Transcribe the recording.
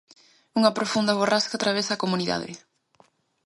Unha profunda borrasca atravesa a comunidade.